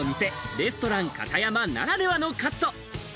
レストランカタヤマならではのカット。